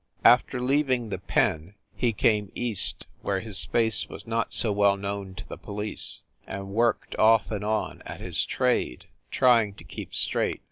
After leaving the "pen" he came east where his face was not so well known to the police, and worked, off and on, at his trade, trying to keep straight.